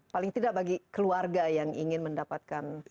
paling tidak bagi keluarga yang ingin mendapatkan